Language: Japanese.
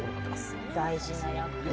大事な役。